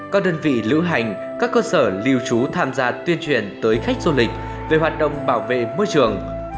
các đơn vị lữ hành các cơ sở lưu trú tham gia tuyên truyền tới khách du lịch về hoạt động bảo vệ môi trường